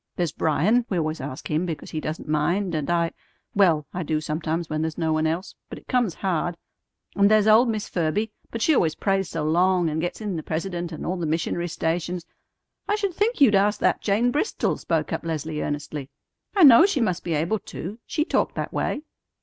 There's Bryan; we always ask him because he doesn't mind, and I well, I do sometimes when there's no one else, but it comes hard; and there's old Miss Ferby, but she always prays so long, and gets in the president and all the missionary stations " "I should think you'd ask that Jane Bristol," spoke up Leslie earnestly. "I know she must be able to. She talked that way."